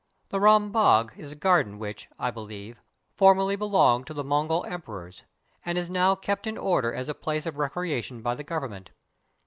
The Ram Bagh is a garden which, I believe, formerly ii8 THE TAJ MAHAL belonged to the Mogul emperors, and is now kept in order as a place of recreation, by the Government.